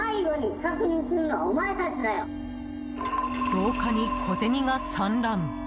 廊下に小銭が散乱。